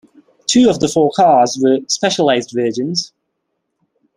Two of the four cars were specialized versions.